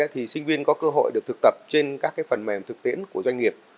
thì sinh viên có cơ hội được thực tập trên các phần mềm thực tiễn của doanh nghiệp